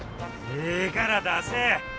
ええから出せ！